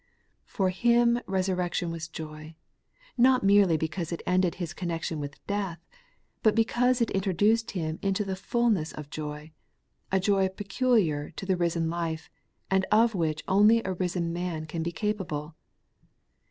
For Him resurrection was joy, not merely because it ended His connection with death, but because it introduced Him into the fulness of joy, — a joy peculiar to the risen life, and of which only a risen man can be capable.